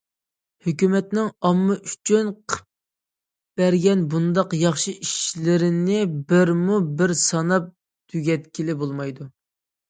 ھۆكۈمەتنىڭ ئامما ئۈچۈن قىلىپ بەرگەن بۇنداق ياخشى ئىشلىرىنى بىرمۇ بىر ساناپ تۈگەتكىلى بولمايدۇ.